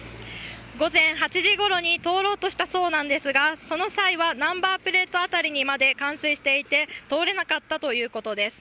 午前８時ごろに通ろうとしたそうなんですが、その際にはナンバープレートあたりにまで冠水していて、通れなかったということです。